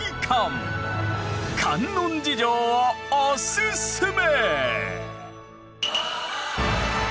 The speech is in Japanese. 観音寺城をおすすめ！